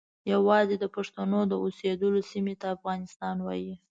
یوازې د پښتنو د اوسیدلو سیمې ته افغانستان وایي.